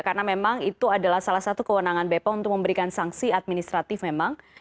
karena memang itu adalah salah satu kewenangan bepom untuk memberikan sanksi administratif memang